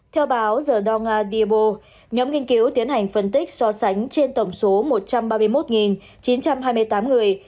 theo báo the donga diabo nhóm nghiên cứu tiến hành phân tích so sánh trên tổng số một trăm ba mươi một chín trăm hai mươi tám người